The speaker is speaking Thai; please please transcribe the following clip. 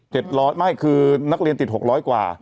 ๗๐๐คนไม่คือนักเรียนติด๖๐๐กว่า